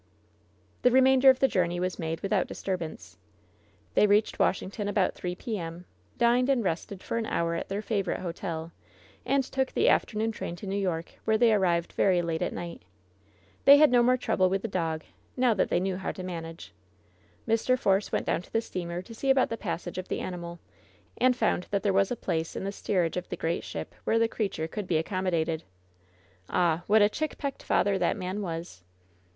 The remainder of the journey was made without dis turbance. They reached Washington about 3 p.m., dined and rested for an hour at their favorite hotel, and took the afternoon train to New York, where they arrived very late at night 176 LOVE'S BITTEREST CUP They had no more trouble with the dog, now that they knew how to mana^. Mr. Force went down to the steamer to see about the passage of the animal, and found that there was a place in the steerage of the great ship where the creature could be accommodated. Ah, what a chickpecked father that man was